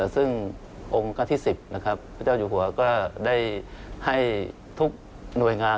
ซึ่งองค์การที่๑๐นะครับพระเจ้าอยู่หัวก็ได้ให้ทุกหน่วยงาน